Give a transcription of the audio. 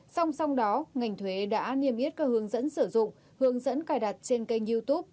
song song đó ngành thuế đã niêm yết các hướng dẫn sử dụng hướng dẫn cài đặt trên kênh youtube